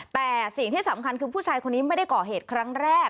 แต่สิ่งที่สำคัญคือผู้ชายคนนี้ไม่ได้ก่อเหตุครั้งแรก